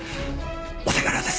お手柄です。